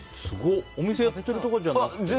お店やってるとかじゃなくて？